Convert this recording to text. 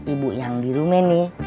ibu yang di rumah nih